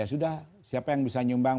ya sudah siapa yang bisa nyumbang